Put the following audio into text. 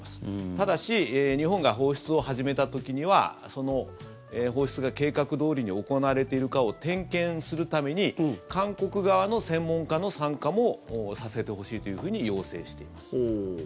ただし日本が放出を始めた時にはその放出が計画どおりに行われているかを点検するために韓国側の専門家の参加もさせてほしいというふうに要請しています。